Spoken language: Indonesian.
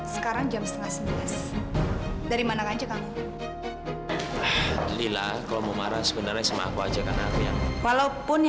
sampai jumpa di video selanjutnya